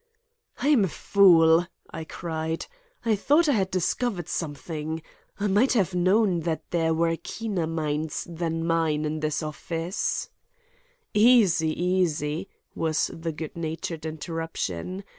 "I am a fool," I cried. "I thought I had discovered something. I might have known that there were keener minds than mine in this office—" "Easy! easy!" was the good natured interruption.